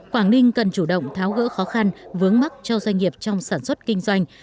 quảng ninh cần chủ động tháo gỡ khó khăn vướng mắt cho doanh nghiệp trong sản xuất kinh doanh